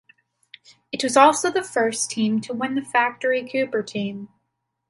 It was also the first win for the factory Cooper team.